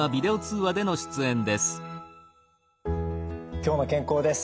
「きょうの健康」です。